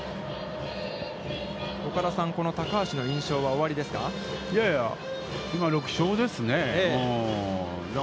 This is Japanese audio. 岡田さん、この高橋の印象はおありですか。